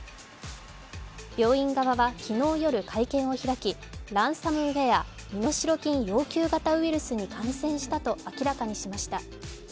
病院側は昨日夜、会見を開きランサムウェア＝身代金要求型ウイルスに感染したと明らかにしました。